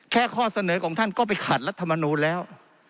ข้อเสนอของท่านก็ไปขัดรัฐมนูลแล้ว